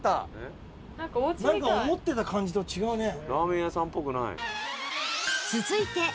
なんか思ってた感じと違うね。